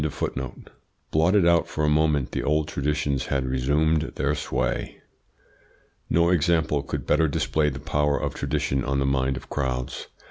Blotted out for a moment, the old traditions had resumed their sway. No example could better display the power of tradition on the mind of crowds.